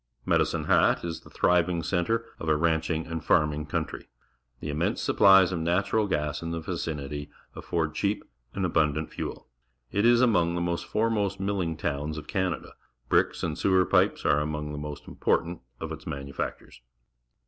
Medicine Hat is the thriving centre of a ranclung and farming country. The im mense supplies of natural gas in the vicinity afford cheap and abundant fuel. It is among the foremost milling towns of Can ada. Bricks and sewer pipes are among the most important of its manufactures.